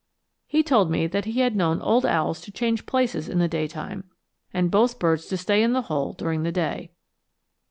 He told me that he had known old owls to change places in the daytime, and both birds to stay in the hole during the day.